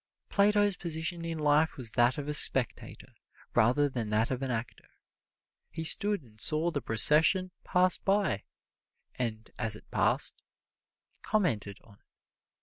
Plato's position in life was that of a spectator rather than that of an actor. He stood and saw the procession pass by, and as it passed, commented on it.